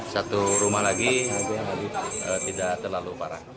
satu rumah lagi tidak terlalu parah